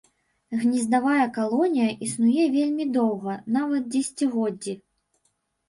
Гнездавая калонія існуе вельмі доўга нават дзесяцігоддзі.